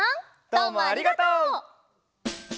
どうもありがとう！